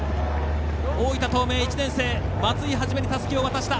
大分東明、１年生、松井一にたすきを渡した。